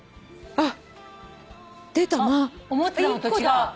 あっ！